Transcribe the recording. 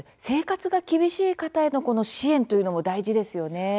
生活が厳しい方への支援というのも大事ですよね。